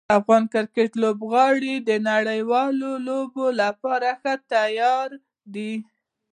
د افغان کرکټ لوبغاړي د نړیوالو لوبو لپاره ښه تیار دي.